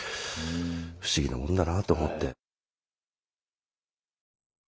不思議なもんだなぁと思って。